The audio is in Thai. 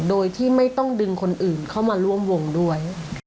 โดยที่ไม่ต้องดึงคนอื่นเข้ามาร่วมวงด้วย